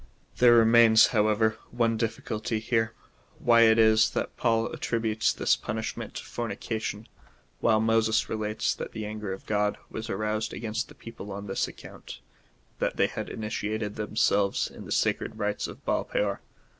There remains, however, one difficulty here — Avhy it is that Paul attributes this punishment to fornication, while Moses relates that the anger of God was aroused against the people on this account — that they had initiated themselves in the sacred rites of Baalpeor.